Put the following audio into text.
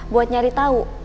buat nyari tau